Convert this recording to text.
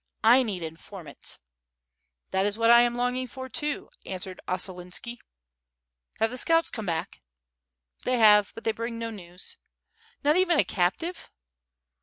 I need informants." "That is what I am longing for too,^' answered Ossolinski. "Have the scouts come back?^* "They have, but they bring no news." "Not even a captive?"